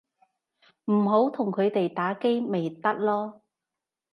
唔好同佢哋打機咪得囉